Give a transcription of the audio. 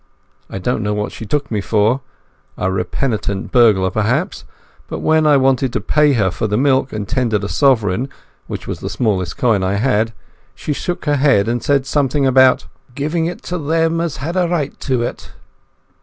I don't know what she took me for—a repentant burglar, perhaps; for when I wanted to pay her for the milk and tendered a sovereign which was the smallest coin I had, she shook her head and said something about "giving it to them that had a right to it".